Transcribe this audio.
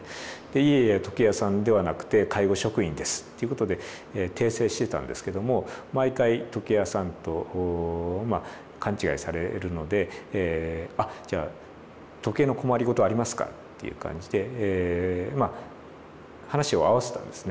「いえいえ時計屋さんではなくて介護職員です」ってことで訂正してたんですけども毎回「時計屋さん」と勘違いされるので「あっじゃあ時計の困りごとはありますか？」っていう感じでまあ話を合わせたんですね。